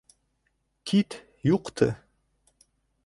Кит, юҡты!..